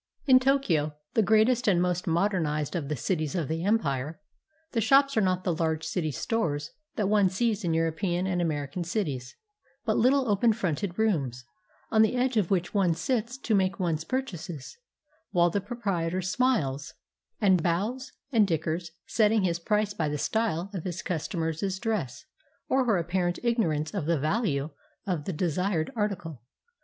In Tokyo, the greatest and most modernized of the cities of the empire, the shops are not the large city stores that one sees in European and American cities, but little open fronted rooms, on the edge of which one sits to make one's purchases, while the proprietor smiles and bows and dickers; setting his price by the style of his customer's dress, or her apparent ignorance of the value of the desired article.